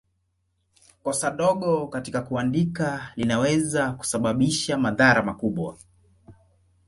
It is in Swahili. Kosa dogo katika kuandika linaweza kusababisha madhara makubwa.